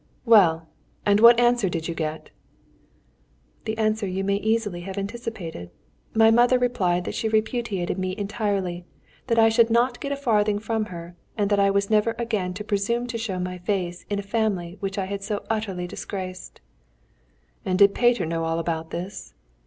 "Well! and what answer did you get?" "The answer you may easily have anticipated. My mother replied that she repudiated me entirely, that I should not get a farthing from her, and that I was never again to presume to show my face in a family which I had so utterly disgraced." "And did Peter know all about this?"